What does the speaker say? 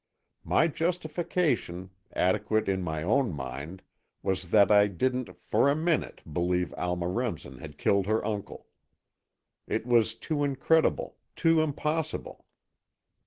My justification, adequate in my own mind, was that I didn't for a minute believe Alma Remsen had killed her uncle. It was too incredible, too impossible.